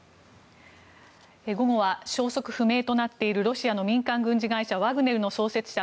午後は消息不明となっているロシアの民間軍事会社ワグネルの創設者